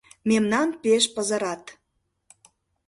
Мемнам пеш пызырат.